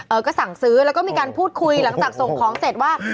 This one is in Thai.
ก็สั่งซื้อแล้วก็มีการพูดคุยหลังจากส่งของเสร็จว่า